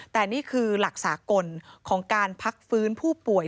แต่นี่คือหลักสากลของการพักฟื้นผู้ป่วย